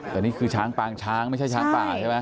แต่นี่คือช้างปางช้างไม่ใช่ช้างป่าใช่ไหม